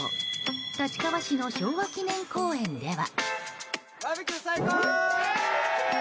立川市の昭和記念公園では。